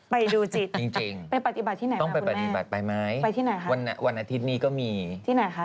ไปดูจิตต้องไปปฏิบัติที่ไหนครับคุณแม่ไปไหมวันอาทิตย์นี้ก็มีไปที่ไหนค่ะ